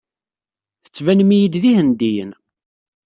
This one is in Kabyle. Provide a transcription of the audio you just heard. Tettbanem-iyi-d d Ihendiyen.